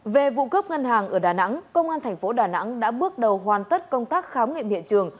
về vụ cướp ngân hàng ở đà nẵng công an thành phố đà nẵng đã bước đầu hoàn tất công tác khám nghiệm hiện trường